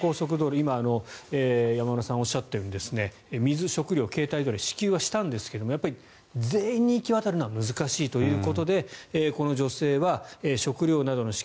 今、山村さんがおっしゃったように水、食料、携帯トイレ支給はしたんですが全員に行き渡るのは難しいということでこの女性は、食料などの支給